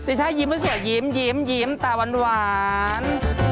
จิช่ายิ้มไม่เป็นสวยยิ้มตาหวาน